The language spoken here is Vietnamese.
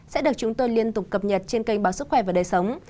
sẽ được chúng tôi liên tục cập nhật trên kênh báo sức khỏe và đời sống